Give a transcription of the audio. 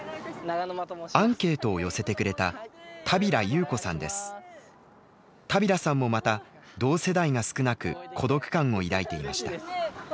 アンケートを寄せてくれた田平さんもまた同世代が少なく孤独感を抱いていました。